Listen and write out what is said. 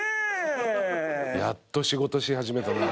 やっと仕事し始めたな。